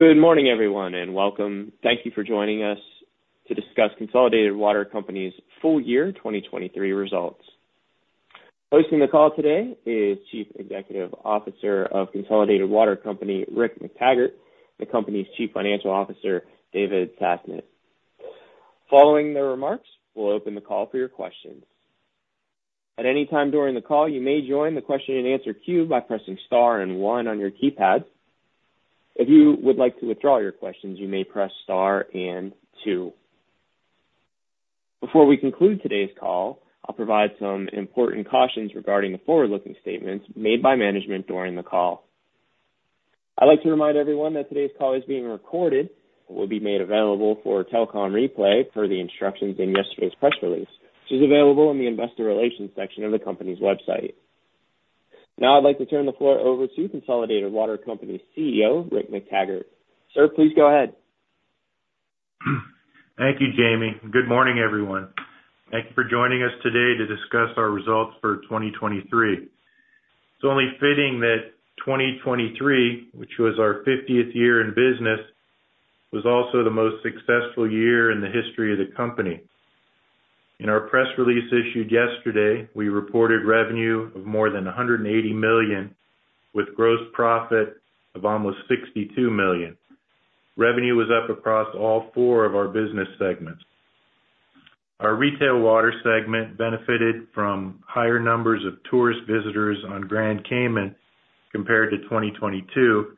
Good morning, everyone, and welcome. Thank you for joining us to discuss Consolidated Water Company's full year 2023 results. Hosting the call today is Chief Executive Officer of Consolidated Water Company, Rick McTaggart, and the company's Chief Financial Officer, David Sasnett. Following the remarks, we'll open the call for your questions. At any time during the call, you may join the question-and-answer queue by pressing star and one on your keypad. If you would like to withdraw your questions, you may press star and two. Before we conclude today's call, I'll provide some important cautions regarding the forward-looking statements made by management during the call. I'd like to remind everyone that today's call is being recorded and will be made available for telecom replay per the instructions in yesterday's press release, which is available in the investor relations section of the company's website. Now I'd like to turn the floor over to Consolidated Water Company's CEO, Rick McTaggart. Sir, please go ahead. Thank you, Jamie. Good morning, everyone. Thank you for joining us today to discuss our results for 2023. It's only fitting that 2023, which was our 50th year in business, was also the most successful year in the history of the company. In our press release issued yesterday, we reported revenue of more than $180 million with gross profit of almost $62 million. Revenue was up across all four of our business segments. Our retail water segment benefited from higher numbers of tourist visitors on Grand Cayman compared to 2022,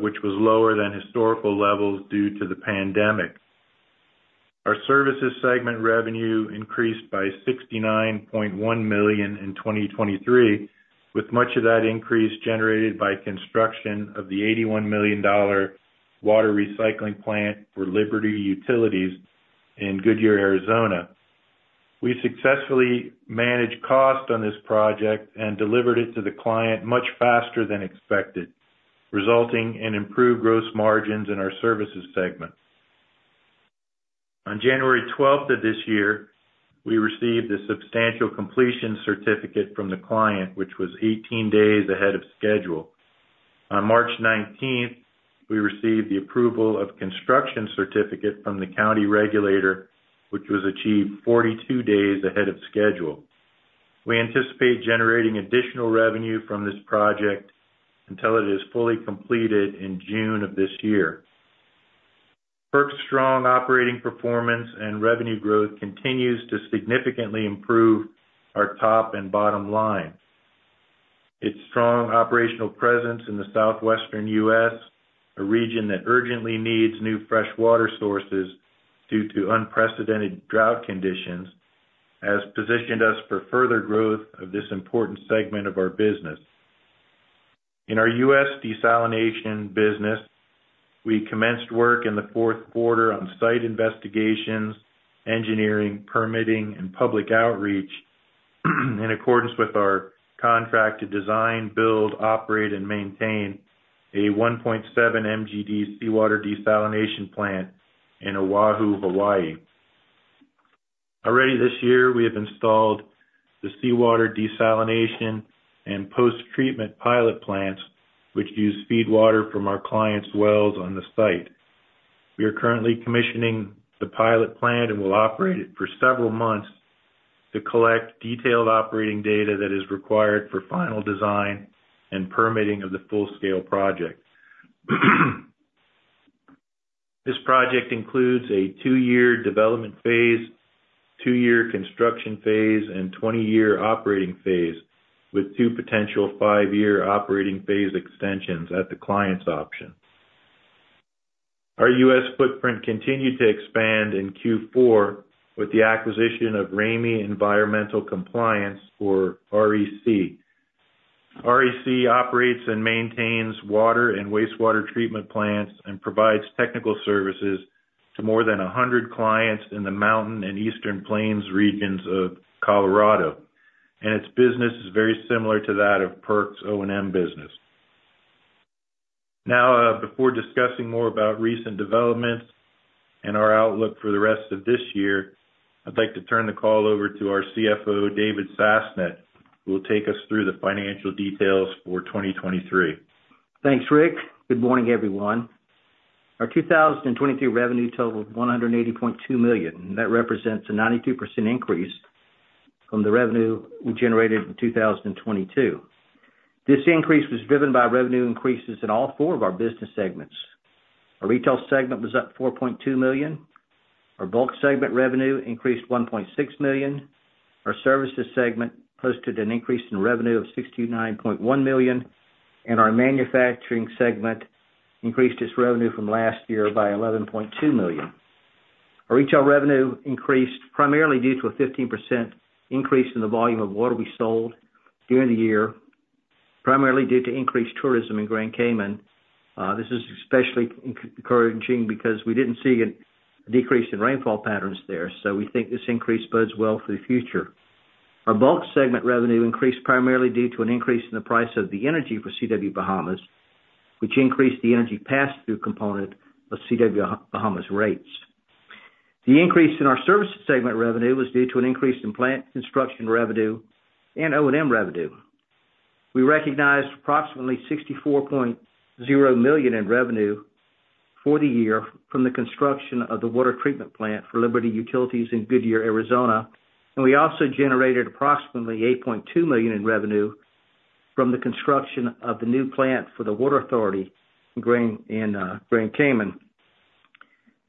which was lower than historical levels due to the pandemic. Our services segment revenue increased by $69.1 million in 2023, with much of that increase generated by construction of the $81 million water recycling plant for Liberty Utilities in Goodyear, Arizona. We successfully managed cost on this project and delivered it to the client much faster than expected, resulting in improved gross margins in our services segment. On January 12th of this year, we received a substantial completion certificate from the client, which was 18 days ahead of schedule. On March 19th, we received the approval of construction certificate from the county regulator, which was achieved 42 days ahead of schedule. We anticipate generating additional revenue from this project until it is fully completed in June of this year. PERC's strong operating performance and revenue growth continues to significantly improve our top and bottom line. Its strong operational presence in the southwestern U.S., a region that urgently needs new freshwater sources due to unprecedented drought conditions, has positioned us for further growth of this important segment of our business. In our U.S. desalination business, we commenced work in the fourth quarter on site investigations, engineering, permitting, and public outreach in accordance with our contract to design, build, operate, and maintain a 1.7 MGD seawater desalination plant in Oahu, Hawaii. Already this year, we have installed the seawater desalination and post-treatment pilot plants, which use feedwater from our clients' wells on the site. We are currently commissioning the pilot plant and will operate it for several months to collect detailed operating data that is required for final design and permitting of the full-scale project. This project includes a two-year development phase, two-year construction phase, and 20-year operating phase, with two potential five-year operating phase extensions at the client's option. Our U.S. footprint continued to expand in Q4 with the acquisition of Ramey Environmental Compliance, or REC. REC operates and maintains water and wastewater treatment plants and provides technical services to more than 100 clients in the Mountain and Eastern Plains regions of Colorado, and its business is very similar to that of PERC's O&M business. Now, before discussing more about recent developments and our outlook for the rest of this year, I'd like to turn the call over to our CFO, David Sasnett, who will take us through the financial details for 2023. Thanks, Rick. Good morning, everyone. Our 2023 revenue totaled $180.2 million, and that represents a 92% increase from the revenue we generated in 2022. This increase was driven by revenue increases in all four of our business segments. Our retail segment was up $4.2 million. Our bulk segment revenue increased $1.6 million. Our services segment posted an increase in revenue of $69.1 million, and our manufacturing segment increased its revenue from last year by $11.2 million. Our retail revenue increased primarily due to a 15% increase in the volume of water we sold during the year, primarily due to increased tourism in Grand Cayman. This is especially encouraging because we didn't see a decrease in rainfall patterns there, so we think this increase bodes well for the future. Our bulk segment revenue increased primarily due to an increase in the price of the energy for CW Bahamas, which increased the energy pass-through component of CW Bahamas rates. The increase in our services segment revenue was due to an increase in plant construction revenue and O&M revenue. We recognized approximately $64.0 million in revenue for the year from the construction of the water treatment plant for Liberty Utilities in Goodyear, Arizona, and we also generated approximately $8.2 million in revenue from the construction of the new plant for the water authority in Grand Cayman.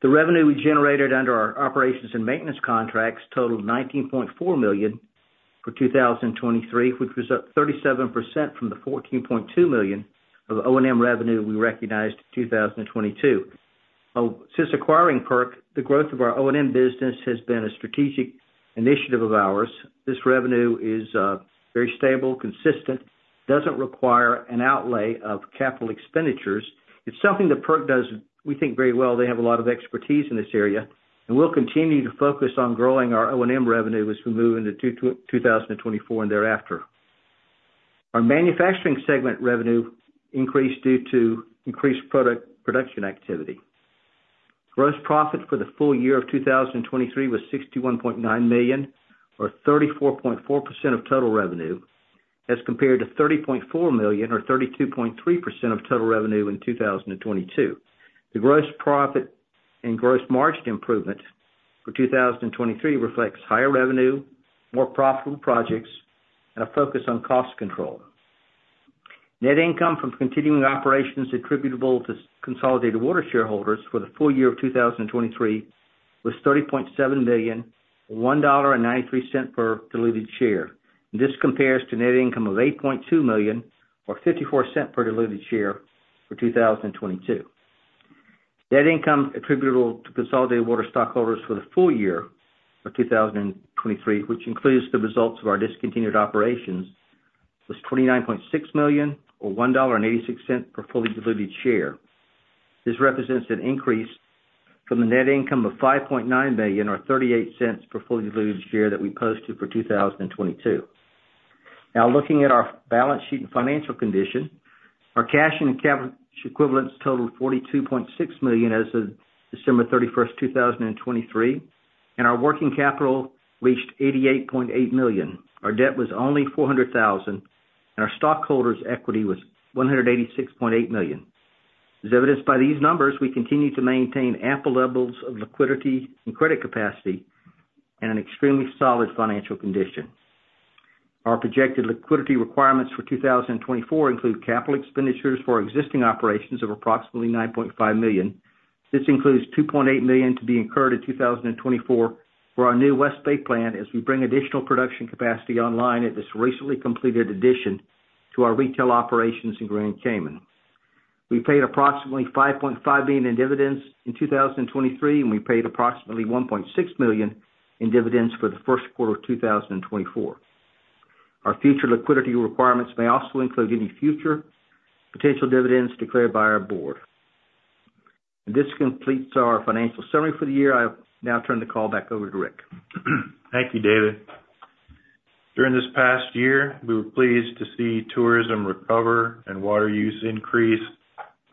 The revenue we generated under our operations and maintenance contracts totaled $19.4 million for 2023, which was up 37% from the $14.2 million of O&M revenue we recognized in 2022. Since acquiring PERC, the growth of our O&M business has been a strategic initiative of ours. This revenue is very stable, consistent, doesn't require an outlay of capital expenditures. It's something that PERC does, we think, very well. They have a lot of expertise in this area, and we'll continue to focus on growing our O&M revenue as we move into 2024 and thereafter. Our manufacturing segment revenue increased due to increased product production activity. Gross profit for the full year of 2023 was $61.9 million, or 34.4% of total revenue, as compared to $30.4 million, or 32.3% of total revenue in 2022. The gross profit and gross margin improvement for 2023 reflects higher revenue, more profitable projects, and a focus on cost control. Net income from continuing operations attributable to Consolidated Water shareholders for the full year of 2023 was $30.7 million, $1.93 per diluted share. This compares to net income of $8.2 million, or $0.54 per diluted share for 2022. Net income attributable to Consolidated Water stockholders for the full year of 2023, which includes the results of our discontinued operations, was $29.6 million, or $1.86 per fully diluted share. This represents an increase from the net income of $5.9 million, or $0.38 per fully diluted share that we posted for 2022. Now, looking at our balance sheet and financial condition, our cash and capital equivalents totaled $42.6 million as of December 31st, 2023, and our working capital reached $88.8 million. Our debt was only $400,000, and our stockholders' equity was $186.8 million. As evidenced by these numbers, we continue to maintain ample levels of liquidity and credit capacity and an extremely solid financial condition. Our projected liquidity requirements for 2024 include capital expenditures for existing operations of approximately $9.5 million. This includes $2.8 million to be incurred in 2024 for our new West Bay plant as we bring additional production capacity online at this recently completed addition to our retail operations in Grand Cayman. We paid approximately $5.5 million in dividends in 2023, and we paid approximately $1.6 million in dividends for the first quarter of 2024. Our future liquidity requirements may also include any future potential dividends declared by our board. This completes our financial summary for the year. I now turn the call back over to Rick. Thank you, David. During this past year, we were pleased to see tourism recover and water use increase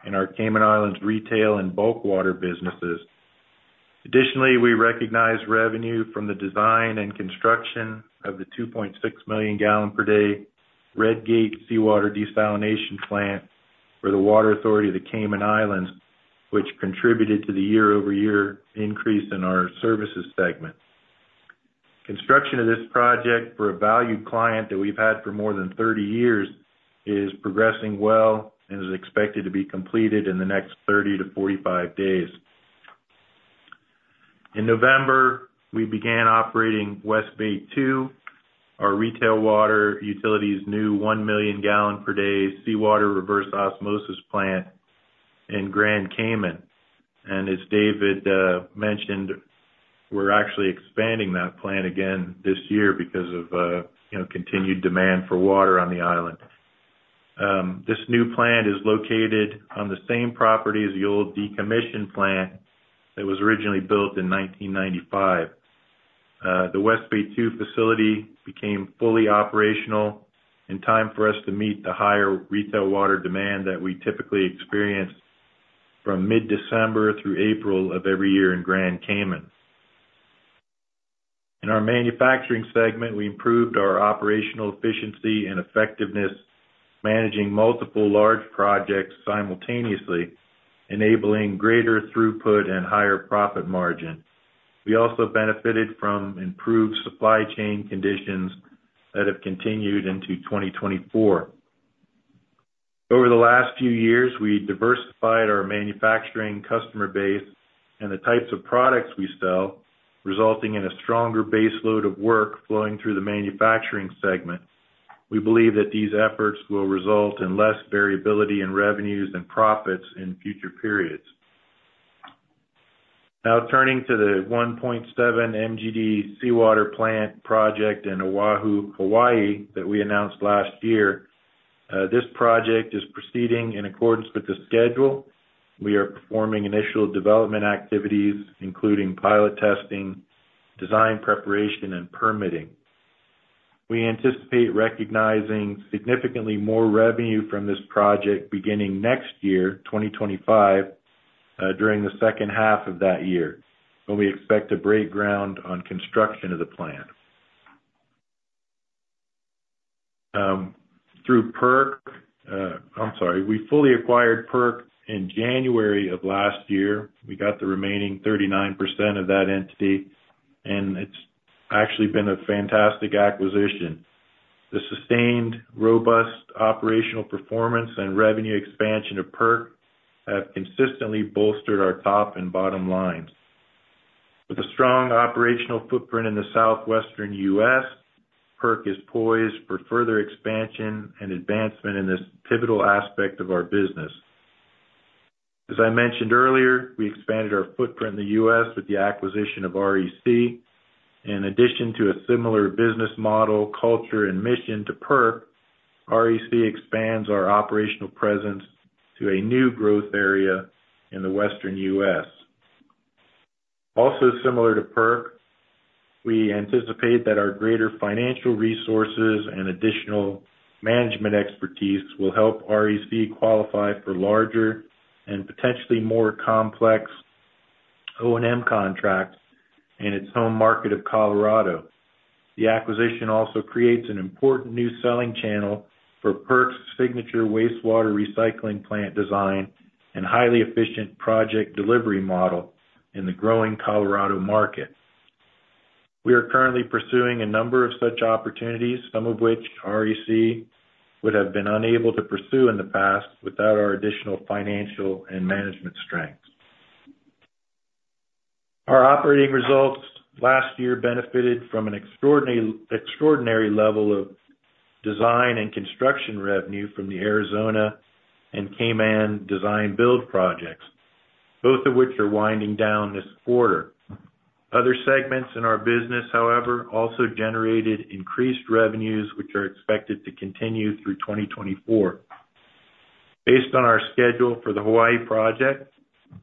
in our Cayman Islands retail and bulk water businesses. Additionally, we recognize revenue from the design and construction of the 2.6 million gal per day Red Gate seawater desalination plant for the water authority of the Cayman Islands, which contributed to the year-over-year increase in our services segment. Construction of this project for a valued client that we've had for more than 30 years is progressing well and is expected to be completed in the next 30 to 45 days. In November, we began operating West Bay II, our retail water utilities' new 1 million gal per day seawater reverse osmosis plant in Grand Cayman. And as David mentioned, we're actually expanding that plant again this year because of continued demand for water on the island. This new plant is located on the same property as the old decommissioned plant that was originally built in 1995. The West Bay II facility became fully operational in time for us to meet the higher retail water demand that we typically experience from mid-December through April of every year in Grand Cayman. In our manufacturing segment, we improved our operational efficiency and effectiveness managing multiple large projects simultaneously, enabling greater throughput and higher profit margin. We also benefited from improved supply chain conditions that have continued into 2024. Over the last few years, we diversified our manufacturing customer base and the types of products we sell, resulting in a stronger base load of work flowing through the manufacturing segment. We believe that these efforts will result in less variability in revenues and profits in future periods. Now, turning to the 1.7 MGD seawater plant project in Oahu, Hawaii, that we announced last year, this project is proceeding in accordance with the schedule. We are performing initial development activities, including pilot testing, design preparation, and permitting. We anticipate recognizing significantly more revenue from this project beginning next year, 2025, during the second half of that year, when we expect to break ground on construction of the plant. Through PERC I'm sorry. We fully acquired PERC in January of last year. We got the remaining 39% of that entity, and it's actually been a fantastic acquisition. The sustained, robust operational performance and revenue expansion of PERC have consistently bolstered our top and bottom lines. With a strong operational footprint in the southwestern U.S., PERC is poised for further expansion and advancement in this pivotal aspect of our business. As I mentioned earlier, we expanded our footprint in the U.S. with the acquisition of REC. In addition to a similar business model, culture, and mission to PERC, REC expands our operational presence to a new growth area in the western U.S. Also similar to PERC, we anticipate that our greater financial resources and additional management expertise will help REC qualify for larger and potentially more complex O&M contracts in its home market of Colorado. The acquisition also creates an important new selling channel for PERC's signature wastewater recycling plant design and highly efficient project delivery model in the growing Colorado market. We are currently pursuing a number of such opportunities, some of which REC would have been unable to pursue in the past without our additional financial and management strengths. Our operating results last year benefited from an extraordinary level of design and construction revenue from the Arizona and Cayman design-build projects, both of which are winding down this quarter. Other segments in our business, however, also generated increased revenues, which are expected to continue through 2024. Based on our schedule for the Hawaii project,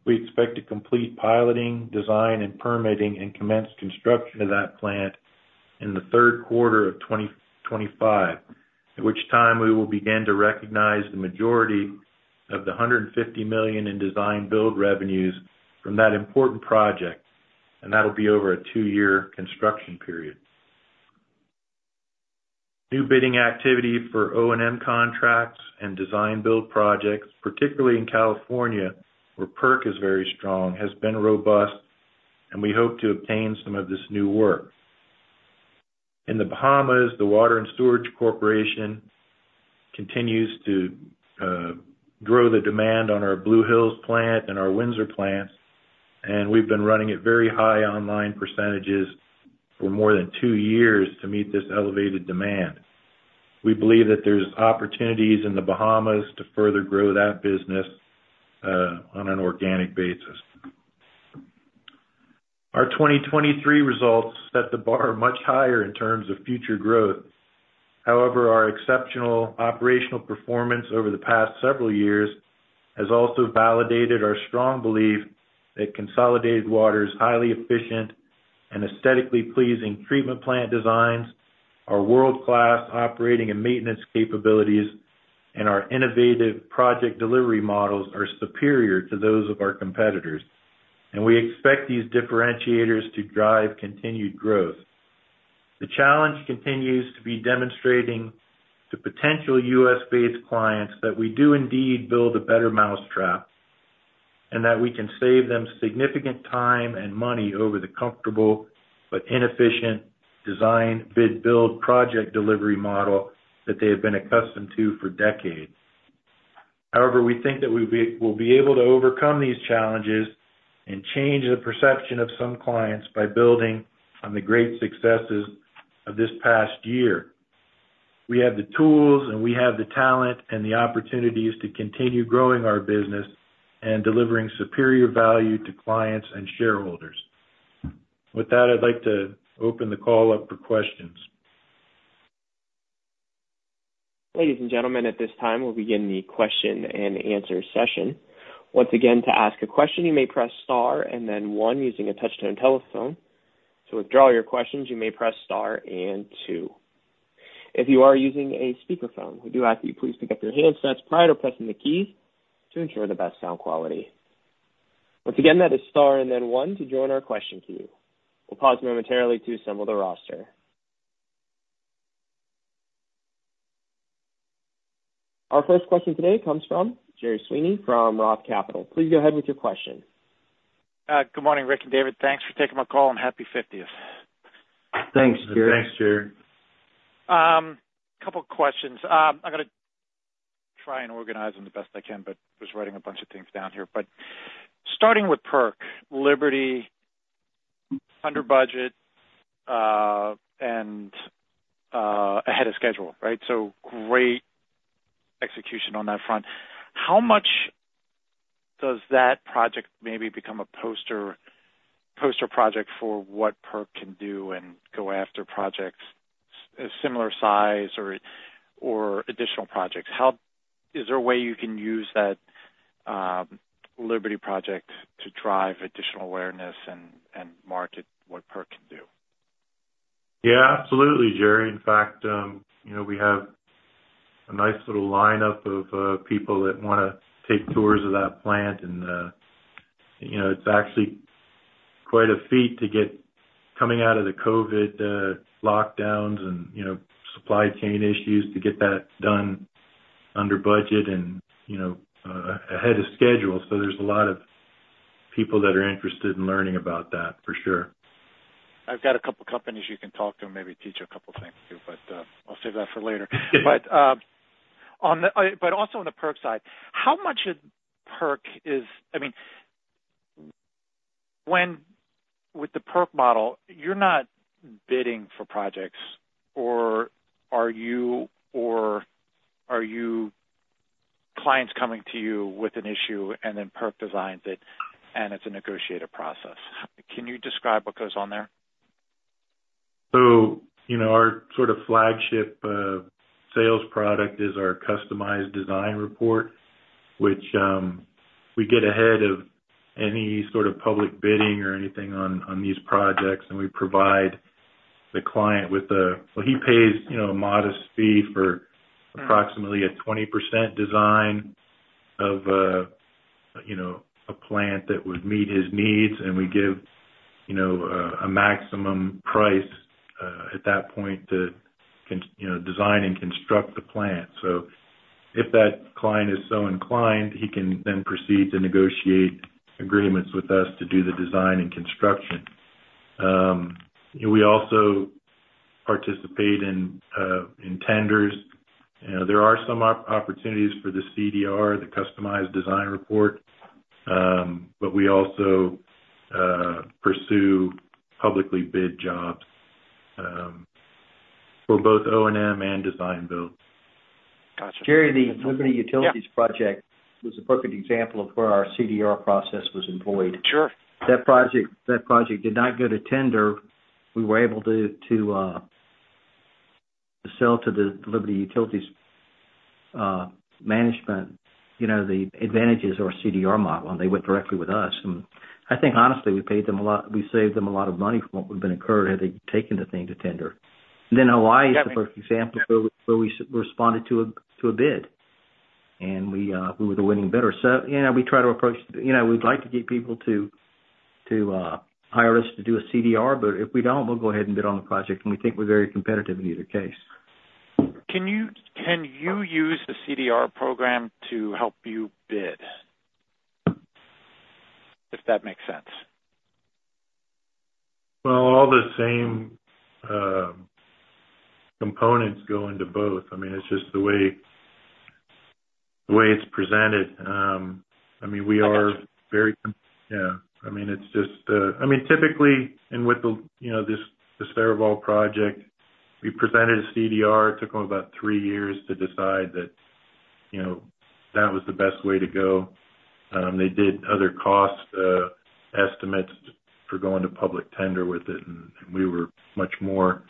we expect to complete piloting, design, and permitting, and commence construction of that plant in the third quarter of 2025, at which time we will begin to recognize the majority of the $150 million in design-build revenues from that important project, and that'll be over a two-year construction period. New bidding activity for O&M contracts and design-build projects, particularly in California, where PERC is very strong, has been robust, and we hope to obtain some of this new work. In the Bahamas, the Water and Sewerage Corporation continues to grow the demand on our Blue Hills plant and our Windsor plants, and we've been running at very high online percentages for more than two years to meet this elevated demand. We believe that there's opportunities in the Bahamas to further grow that business on an organic basis. Our 2023 results set the bar much higher in terms of future growth. However, our exceptional operational performance over the past several years has also validated our strong belief that Consolidated Water's highly efficient and aesthetically pleasing treatment plant designs, our world-class operating and maintenance capabilities, and our innovative project delivery models are superior to those of our competitors, and we expect these differentiators to drive continued growth. The challenge continues to be demonstrating to potential U.S.-based clients that we do indeed build a better mousetrap and that we can save them significant time and money over the comfortable but inefficient Design-Bid-Build project delivery model that they have been accustomed to for decades. However, we think that we will be able to overcome these challenges and change the perception of some clients by building on the great successes of this past year. We have the tools, and we have the talent and the opportunities to continue growing our business and delivering superior value to clients and shareholders. With that, I'd like to open the call up for questions. Ladies and gentlemen, at this time, we'll begin the question and answer session. Once again, to ask a question, you may press star and then one using a touch-tone telephone. To withdraw your questions, you may press star and two. If you are using a speakerphone, we do ask that you please pick up your handsets prior to pressing the keys to ensure the best sound quality. Once again, that is star and then one to join our question queue. We'll pause momentarily to assemble the roster. Our first question today comes from Gerry Sweeney from Roth Capital. Please go ahead with your question. Good morning, Rick and David. Thanks for taking my call, and happy 50th. Thanks, Jerry. Thanks, Jerry. A couple of questions. I'm going to try and organize them the best I can, but I was writing a bunch of things down here. But starting with PERC, Liberty, under budget, and ahead of schedule, right? So great execution on that front. How much does that project maybe become a poster project for what PERC can do and go after projects of similar size or additional projects? Is there a way you can use that Liberty project to drive additional awareness and market what PERC can do? Yeah, absolutely, Jerry. In fact, we have a nice little lineup of people that want to take tours of that plant, and it's actually quite a feat coming out of the COVID lockdowns and supply chain issues to get that done under budget and ahead of schedule. So there's a lot of people that are interested in learning about that, for sure. I've got a couple of companies you can talk to and maybe teach a couple of things too, but I'll save that for later. But also on the PERC side, how much of PERC is I mean, with the PERC model, you're not bidding for projects, or are you clients coming to you with an issue, and then PERC designs it, and it's a negotiated process? Can you describe what goes on there? So our sort of flagship sales product is our customized design report, which we get ahead of any sort of public bidding or anything on these projects, and we provide the client with a well, he pays a modest fee for approximately a 20% design of a plant that would meet his needs, and we give a maximum price at that point to design and construct the plant. So if that client is so inclined, he can then proceed to negotiate agreements with us to do the design and construction. We also participate in tenders. There are some opportunities for the CDR, the customized design report, but we also pursue publicly bid jobs for both O&M and design-build. Gotcha. Jerry, the Liberty Utilities project was a perfect example of where our CDR process was employed. That project did not go to tender. We were able to sell to the Liberty Utilities management the advantages of our CDR model, and they went directly with us. And I think, honestly, we saved them a lot of money from what would have been incurred had they taken the thing to tender. And then Hawaii is the perfect example where we responded to a bid, and we were the winning bidder. So we try to approach. We'd like to get people to hire us to do a CDR, but if we don't, we'll go ahead and bid on the project. And we think we're very competitive in either case. Can you use the CDR program to help you bid, if that makes sense? Well, all the same components go into both. I mean, it's just the way it's presented. I mean, we are very, yeah. I mean, it's just I mean, typically, and with the Sarival project, we presented a CDR. It took them about three years to decide that that was the best way to go. They did other cost estimates for going to public tender with it, and we were much more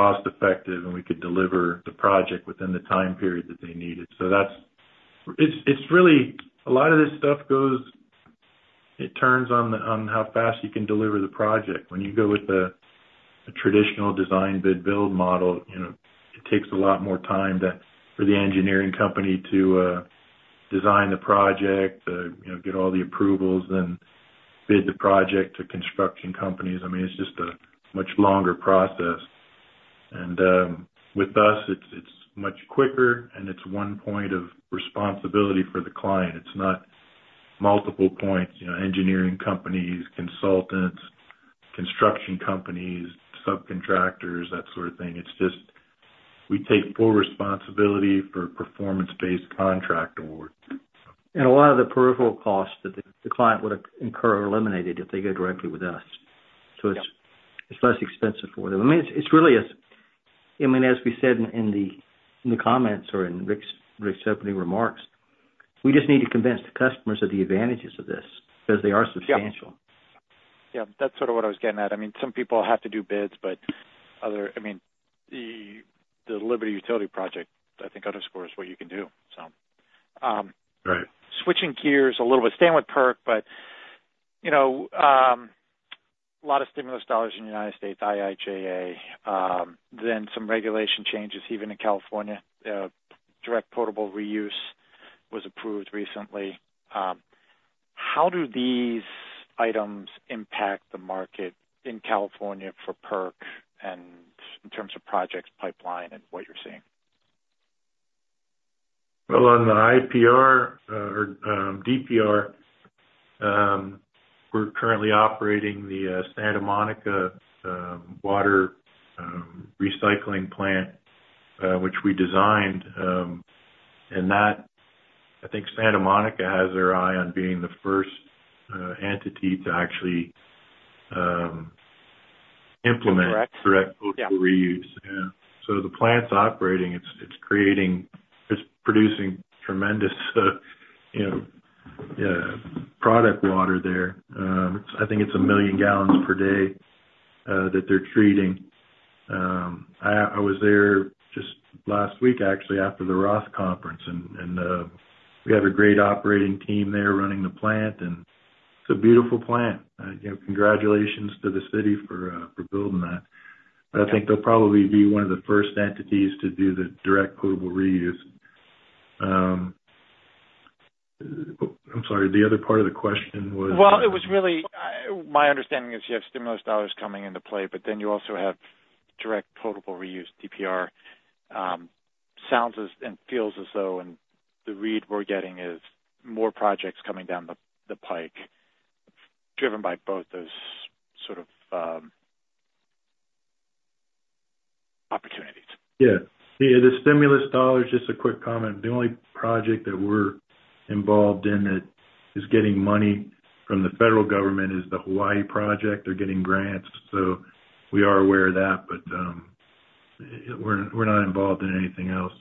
cost-effective, and we could deliver the project within the time period that they needed. So it's really a lot of this stuff goes, it turns on how fast you can deliver the project. When you go with the traditional Design-Bid-Build model, it takes a lot more time for the engineering company to design the project, get all the approvals, then bid the project to construction companies. I mean, it's just a much longer process. With us, it's much quicker, and it's one point of responsibility for the client. It's not multiple points: engineering companies, consultants, construction companies, subcontractors, that sort of thing. It's just we take full responsibility for performance-based contract awards. A lot of the peripheral costs that the client would incur are eliminated if they go directly with us. It's less expensive for them. I mean, it's really, I mean, as we said in the comments or in Rick's opening remarks, we just need to convince the customers of the advantages of this because they are substantial. Yeah. Yeah. That's sort of what I was getting at. I mean, some people have to do bids, but others, I mean, the Liberty Utilities project, I think, underscores what you can do, so. Switching gears a little bit, staying with PERC, but a lot of stimulus dollars in the United States, IIJA, then some regulation changes even in California. Direct potable reuse was approved recently. How do these items impact the market in California for PERC in terms of projects pipeline and what you're seeing? Well, on the IPR or DPR, we're currently operating the Santa Monica water recycling plant, which we designed. And I think Santa Monica has their eye on being the first entity to actually implement direct potable reuse. Yeah. So the plant's operating. It's producing tremendous product water there. I think it's 1 million gal per day that they're treating. I was there just last week, actually, after the Roth conference, and we have a great operating team there running the plant, and it's a beautiful plant. Congratulations to the city for building that. But I think they'll probably be one of the first entities to do the direct potable reuse. I'm sorry. The other part of the question was. Well, my understanding is you have stimulus dollars coming into play, but then you also have Direct Potable Reuse, DPR. Sounds and feels as though, and the read we're getting is more projects coming down the pike driven by both those sort of opportunities. Yeah. Yeah. The stimulus dollars, just a quick comment. The only project that we're involved in that is getting money from the federal government is the Hawaii project. They're getting grants. So we are aware of that, but we're not involved in anything else.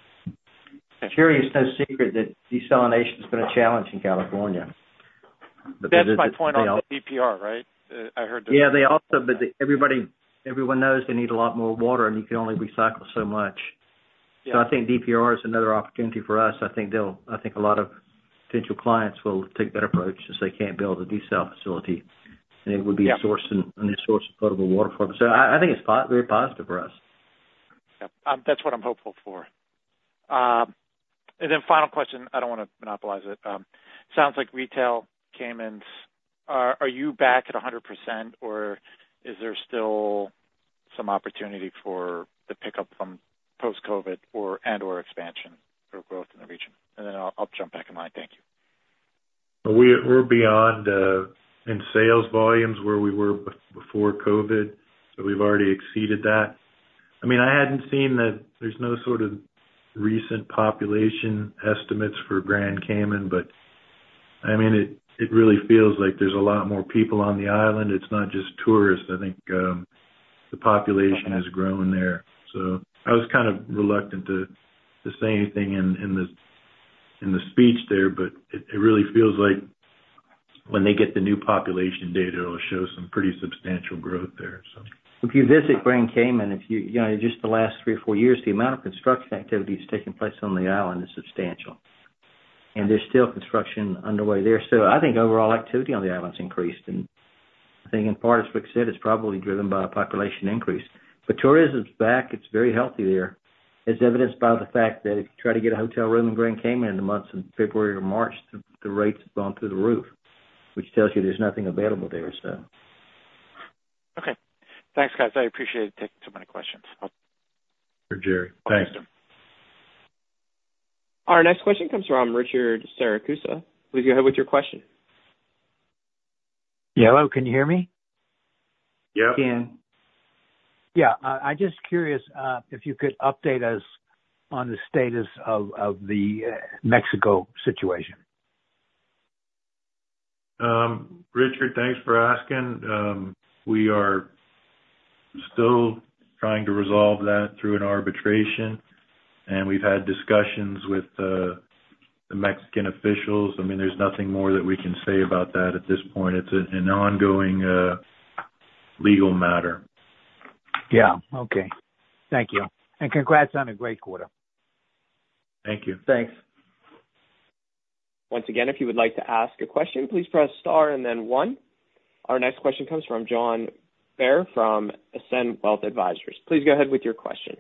Jerry, it's no secret that desalination's been a challenge in California. That's my point on the DPR, right? I heard the. Yeah. But everyone knows they need a lot more water, and you can only recycle so much. So I think DPR is another opportunity for us. I think a lot of potential clients will take that approach since they can't build a desal facility, and it would be a source of potable water for them. So I think it's very positive for us. Yeah. That's what I'm hopeful for. And then final question. I don't want to monopolize it. Sounds like retail, Cayman. Are you back at 100%, or is there still some opportunity for the pickup from post-COVID and/or expansion or growth in the region? And then I'll jump back in line. Thank you. We're beyond in sales volumes where we were before COVID, so we've already exceeded that. I mean, I hadn't seen that there's no sort of recent population estimates for Grand Cayman, but I mean, it really feels like there's a lot more people on the island. It's not just tourists. I think the population has grown there. So I was kind of reluctant to say anything in the speech there, but it really feels like when they get the new population data, it'll show some pretty substantial growth there, so. If you visit Grand Cayman, just the last three or four years, the amount of construction activity that's taken place on the island is substantial, and there's still construction underway there. So I think overall activity on the island's increased. And I think in part, as Rick said, it's probably driven by a population increase. But tourism's back. It's very healthy there, as evidenced by the fact that if you try to get a hotel room in Grand Cayman in the months of February or March, the rates have gone through the roof, which tells you there's nothing available there, so. Okay. Thanks, guys. I appreciate taking so many questions. For Jerry. Thanks. Our next question comes from Richard Saracusa. Please go ahead with your question. Yeah. Hello. Can you hear me? Yep. Yeah. I'm just curious if you could update us on the status of the Mexico situation? Richard, thanks for asking. We are still trying to resolve that through an arbitration, and we've had discussions with the Mexican officials. I mean, there's nothing more that we can say about that at this point. It's an ongoing legal matter. Yeah. Okay. Thank you. And congrats on a great quarter. Thank you. Thanks. Once again, if you would like to ask a question, please press star and then one. Our next question comes from John Bair from Ascend Wealth Advisors. Please go ahead with your question.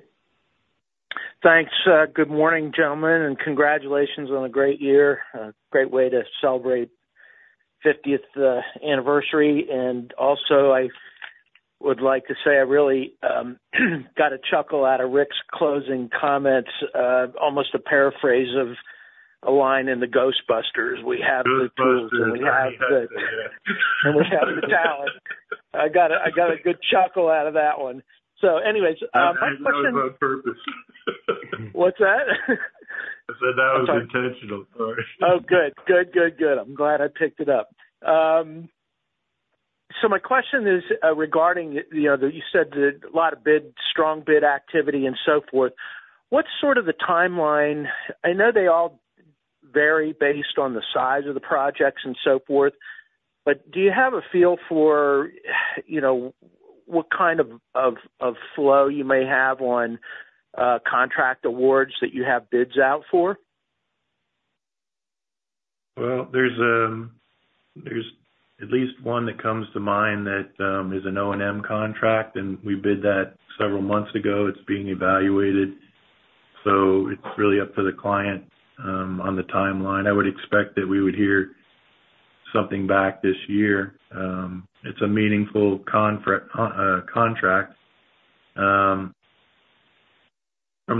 Thanks. Good morning, gentlemen, and congratulations on a great year. A great way to celebrate 50th anniversary. And also, I would like to say I really got a chuckle out of Rick's closing comments, almost a paraphrase of a line in The Ghostbusters. "We have the tools, and we have the talent." I got a good chuckle out of that one. So anyways, my question. I didn't know it was on purpose. What's that? I said that was intentional. Sorry. Oh, good. Good, good, good. I'm glad I picked it up. So my question is regarding you said a lot of bid, strong bid activity, and so forth. What's sort of the timeline? I know they all vary based on the size of the projects and so forth, but do you have a feel for what kind of flow you may have on contract awards that you have bids out for? Well, there's at least one that comes to mind that is an O&M contract, and we bid that several months ago. It's being evaluated, so it's really up to the client on the timeline. I would expect that we would hear something back this year. It's a meaningful contract from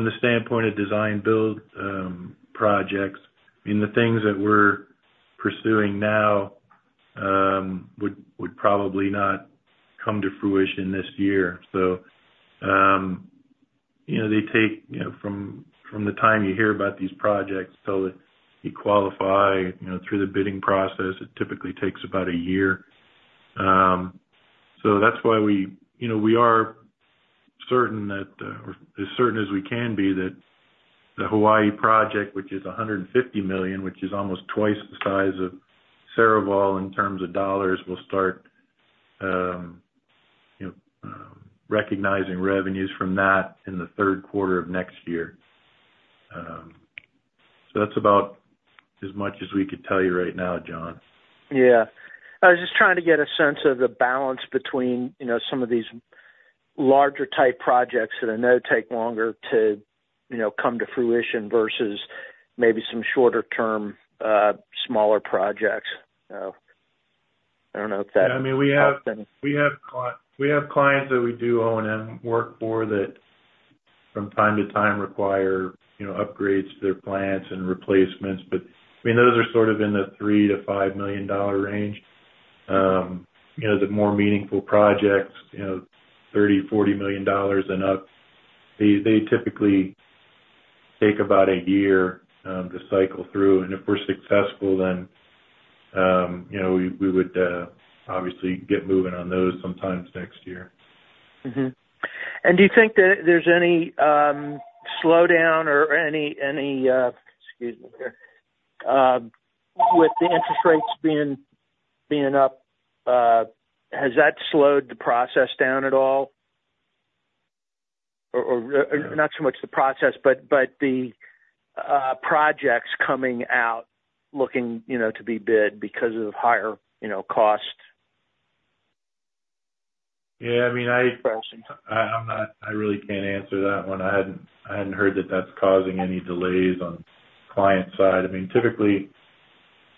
the standpoint of design-build projects. I mean, the things that we're pursuing now would probably not come to fruition this year. So they take from the time you hear about these projects till they qualify through the bidding process, it typically takes about a year. So that's why we are certain that or as certain as we can be that the Hawaii project, which is $150 million, which is almost twice the size of Sarival in terms of dollars, will start recognizing revenues from that in the third quarter of next year. So that's about as much as we could tell you right now, John. Yeah. I was just trying to get a sense of the balance between some of these larger-type projects that I know take longer to come to fruition versus maybe some shorter-term, smaller projects. So I don't know if that helps any. Yeah. I mean, we have clients that we do O&M work for that from time to time require upgrades to their plants and replacements. But I mean, those are sort of in the $3 million-$5 million range. The more meaningful projects, $30 million, $40 million and up, they typically take about a year to cycle through. And if we're successful, then we would obviously get moving on those sometime next year. Do you think that there's any slowdown or any excuse me here? With the interest rates being up, has that slowed the process down at all? Or not so much the process, but the projects coming out looking to be bid because of higher costs? Yeah. I mean, I really can't answer that one. I hadn't heard that that's causing any delays on the client side. I mean, typically,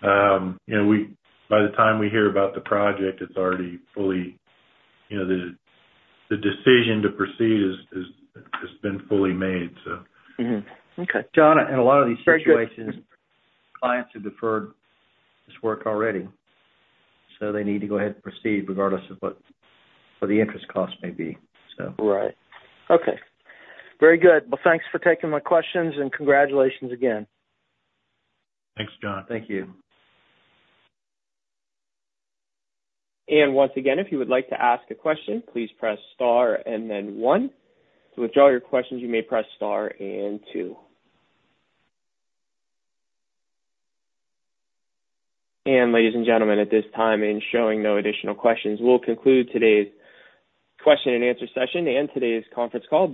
by the time we hear about the project, the decision to proceed has been fully made, so. Okay. John, in a lot of these situations, clients have deferred this work already, so they need to go ahead and proceed regardless of what the interest cost may be, so. Right. Okay. Very good. Well, thanks for taking my questions, and congratulations again. Thanks, John. Thank you. Once again, if you would like to ask a question, please press star and then one. To withdraw your questions, you may press star and two. Ladies and gentlemen, at this time, in showing no additional questions, we'll conclude today's question-and-answer session and today's conference call.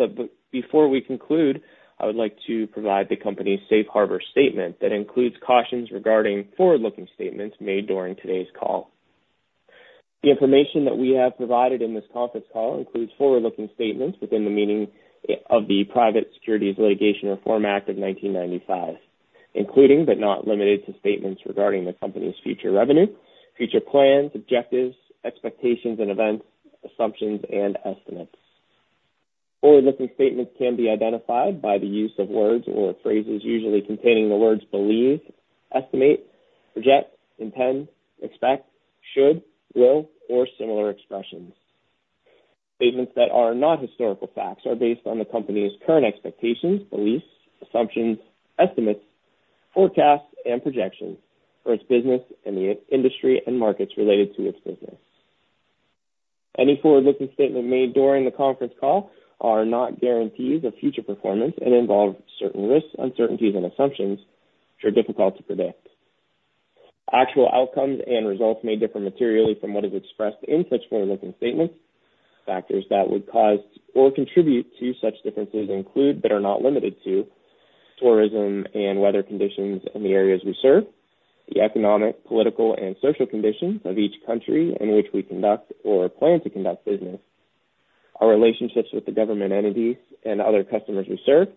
Before we conclude, I would like to provide the company's Safe Harbor Statement that includes cautions regarding forward-looking statements made during today's call. The information that we have provided in this conference call includes forward-looking statements within the meaning of the Private Securities Litigation Reform Act of 1995, including but not limited to statements regarding the company's future revenue, future plans, objectives, expectations, and events, assumptions, and estimates. Forward-looking statements can be identified by the use of words or phrases usually containing the words believe, estimate, project, intend, expect, should, will, or similar expressions. Statements that are not historical facts are based on the company's current expectations, beliefs, assumptions, estimates, forecasts, and projections for its business and the industry and markets related to its business. Any forward-looking statement made during the conference call are not guarantees of future performance and involve certain risks, uncertainties, and assumptions which are difficult to predict. Actual outcomes and results may differ materially from what is expressed in such forward-looking statements. Factors that would cause or contribute to such differences include but are not limited to tourism and weather conditions in the areas we serve, the economic, political, and social conditions of each country in which we conduct or plan to conduct business, our relationships with the government entities and other customers we serve,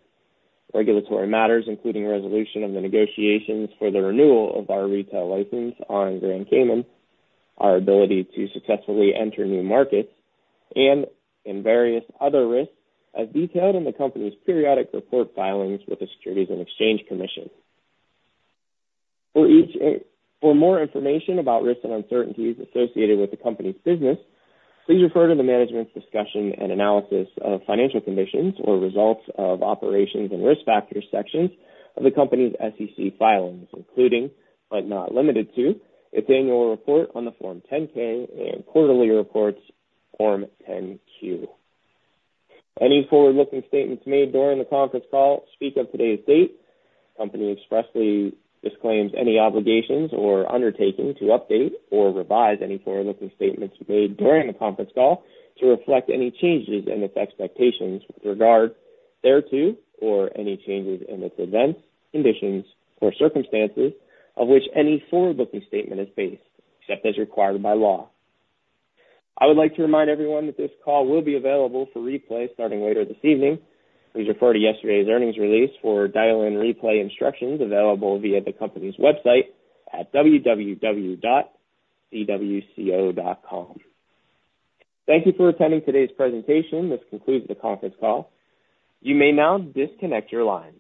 regulatory matters including resolution of the negotiations for the renewal of our retail license on Grand Cayman, our ability to successfully enter new markets, and various other risks as detailed in the company's periodic report filings with the Securities and Exchange Commission. For more information about risks and uncertainties associated with the company's business, please refer to the management's discussion and analysis of financial condition or results of operations and risk factors sections of the company's SEC filings, including but not limited to its annual report on the Form 10-K and quarterly reports, Form 10-Q. Any forward-looking statements made during the conference call speak of today's date. The company expressly disclaims any obligations or undertaking to update or revise any forward-looking statements made during the conference call to reflect any changes in its expectations with regard thereto, or any changes in its events, conditions, or circumstances of which any forward-looking statement is based, except as required by law. I would like to remind everyone that this call will be available for replay starting later this evening. Please refer to yesterday's earnings release for dial-in replay instructions available via the company's website at www.cwco.com. Thank you for attending today's presentation. This concludes the conference call. You may now disconnect your line.